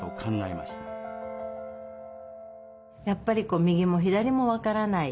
やっぱり右も左も分からない。